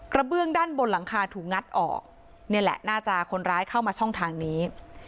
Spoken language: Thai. เบื้องด้านบนหลังคาถูกงัดออกนี่แหละน่าจะคนร้ายเข้ามาช่องทางนี้